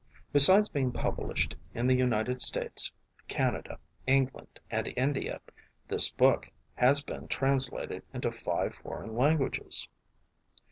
Besides being published in the United States, Canada, England and India this book has been, translated into five foreign languages.